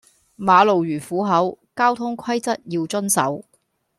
馬路如虎口，交通規則要遵守